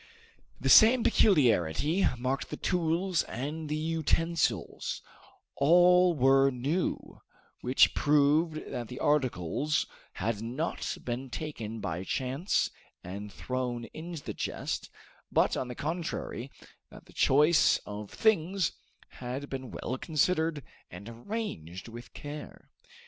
The same peculiarity marked the tools and utensils; all were new, which proved that the articles had not been taken by chance and thrown into the chest, but, on the contrary, that the choice of things had been well considered and arranged with care.